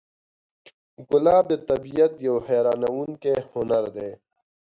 ګلاب د طبیعت یو حیرانوونکی هنر دی.